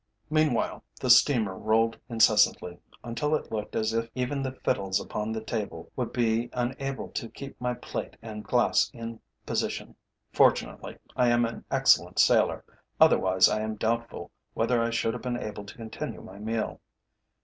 Meanwhile the steamer rolled incessantly, until it looked as if even the fiddles upon the table would be unable to keep my plate and glass in position. Fortunately, I am an excellent sailor, otherwise I am doubtful whether I should have been able to continue my meal.